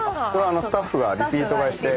スタッフがリピート買いして。